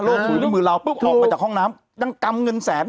มือด้วยมือเราปุ๊บออกไปจากห้องน้ำยังกำเงินแสน